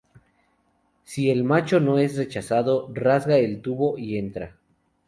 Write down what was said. Si el macho no es rechazado, rasga el tubo y entra.